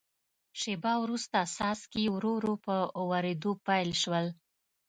شیبه وروسته څاڅکي ورو ورو په ورېدو پیل شول.